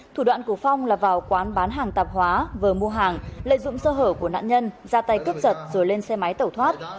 thủ đoạn của phong là vào quán bán hàng tạp hóa vờ mua hàng lợi dụng sơ hở của nạn nhân ra tay cướp giật rồi lên xe máy tẩu thoát